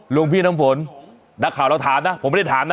หลวงพี่น้ำฝนนักข่าวเราถามนะผมไม่ได้ถามนะ